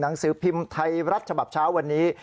หนังสือพิมพ์ไทยรัฐฉบับเช้าวันนี้